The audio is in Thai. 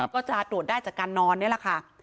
ก็จะตรวจได้จากการนอนนี่แหละค่ะ